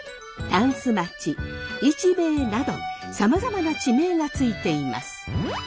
箪笥町市兵衛などさまざまな地名が付いています。